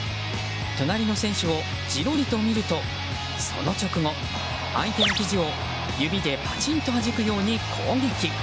隣の選手をじろりと見るとその直後相手のひじを指でパチンとはじくように攻撃。